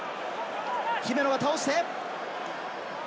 姫野が倒して。